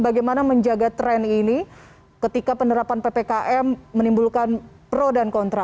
bagaimana menjaga tren ini ketika penerapan ppkm menimbulkan pro dan kontra